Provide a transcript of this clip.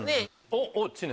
おっ知念。